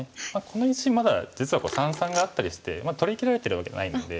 この石まだ実は三々があったりして取りきられてるわけではないので。